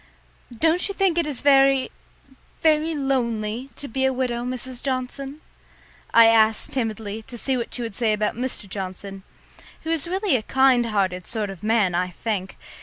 "Don't you think it is very very lonely to be a widow, Mrs. Johnson?" I asked timidly to see what she would say about Mr. Johnson, who is really a kind hearted sort of man, I think.